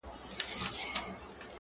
زه نوره دا موضوع نه څيړم.